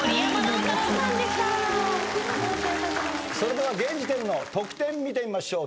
それでは現時点の得点見てみましょう。